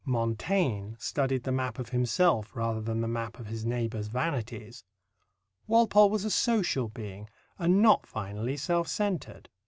Montaigne studied the map of himself rather than the map of his neighbours' vanities. Walpole was a social being, and not finally self centred.